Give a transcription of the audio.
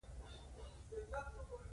برمته د بدۍ بانه ده متل د شخړې لامل ښيي